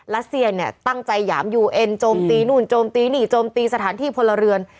รัสเซียเนี่ยตั้งใจหยามยูเอ็นโจมตีนู่นโจมตีนี่โจมตีสถานที่พลเรือน